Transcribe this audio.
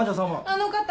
あの方。